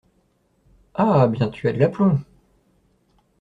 Ah ! bien, tu as de l’aplomb !